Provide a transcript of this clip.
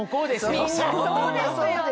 みんなそうですよね。